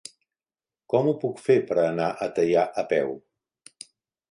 Com ho puc fer per anar a Teià a peu?